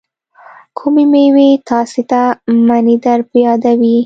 کومې میوې تاسې ته منی در په یادوي؟